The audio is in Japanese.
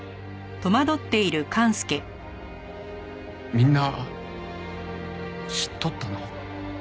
みんな知っとったの？